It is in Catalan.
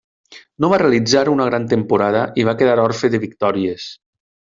No va realitzar una gran temporada i va quedar orfe de victòries.